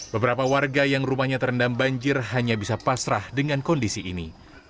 beberapa warga yang rumahnya terendam banjir hanya bisa pasrah dengan kondisi ini